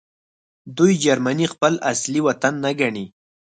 دوی جرمني خپل اصلي وطن نه ګڼي